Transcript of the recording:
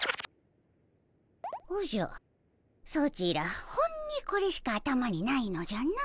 おじゃソチらほんにこれしか頭にないのじゃな。